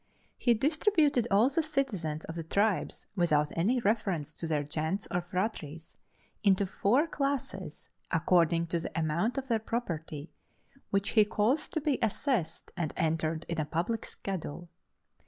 He distributed all the citizens of the tribes, without any reference to their gentes or phratries, into four classes, according to the amount of their property, which he caused to be assessed and entered in a public schedule.